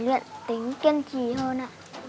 để luyện tính kiên trì hơn ạ